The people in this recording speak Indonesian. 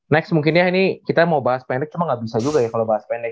next mungkinnya ini kita mau bahas pendek cuman gak bisa juga ya kalau bahas pendek